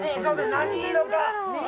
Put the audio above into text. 何色か。